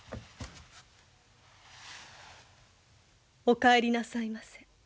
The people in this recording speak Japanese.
お帰りなさいませ。